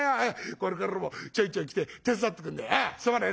これからもちょいちょい来て手伝ってくんねえ。